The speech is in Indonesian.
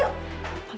tante teh bawa kue